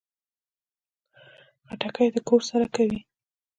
خټکی د کور سړه کوي.